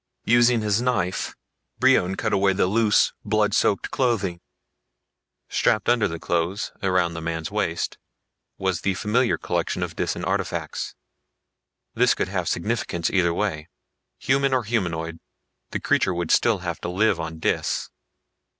Using his knife, Brion cut away the loose, blood soaked clothing. Strapped under the clothes, around the man's waist, was the familiar collection of Disan artifacts. This could have significance either way. Human or humanoid, the creature would still have to live on Dis.